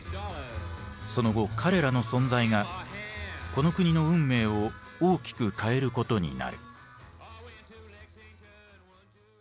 その後彼らの存在がこの国の運命を大きく変えることになる。